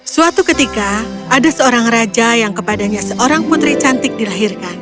suatu ketika ada seorang raja yang kepadanya seorang putri cantik dilahirkan